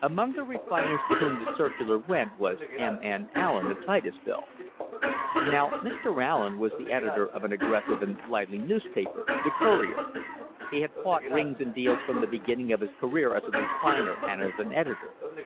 Among the refiners to whom the circular went was M. N. Allen of Titusville. Now Mr. Allen was the editor of an aggressive and lively newspaper — the Courier. He had fought rings and deals from the beginning of his career as a refiner and as an editor.